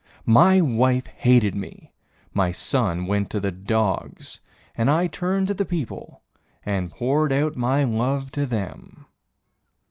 My wife hated me, my son went to the dogs. And I turned to the people and poured out my love to them.